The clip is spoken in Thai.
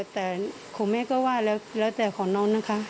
แต่ของแม่ก็ว่าแล้วแต่ของน้องนะคะ